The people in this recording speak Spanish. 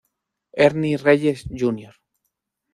Ernie Reyes, Jr.